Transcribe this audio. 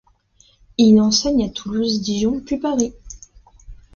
Il enseigne à Toulouse, Dijon puis Paris.